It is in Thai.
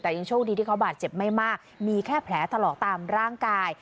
แต่ยังโชคดีที่เขาบาดเจ็บไม่มากมีแค่แผลถลอกตามร่างกาย